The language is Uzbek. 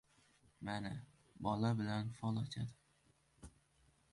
— Mana, bola bilan fol ochadi.